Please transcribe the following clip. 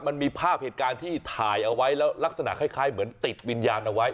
มันมีภาพเหตุการณ์ที่ถ่ายเอาไว้แล้วลักษณะคล้ายเหมือนติดวิญญาณเอาไว้